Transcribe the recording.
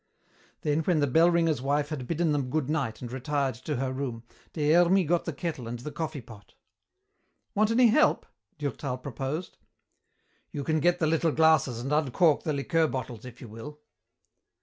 Then when the bell ringer's wife had bidden them good night and retired to her room, Des Hermies got the kettle and the coffee pot. "Want any help?" Durtal proposed. "You can get the little glasses and uncork the liqueur bottles, if you will."